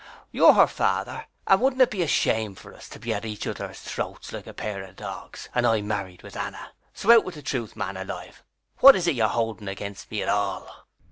You're her father, and wouldn't it be a shame for us to be at each other's throats like a pair of dogs, and I married with Anna. So out with the truth, man alive. What is it you're holding against me at all?